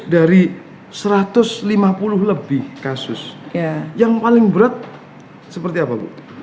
dari satu ratus lima puluh lebih kasus yang paling berat seperti apa bu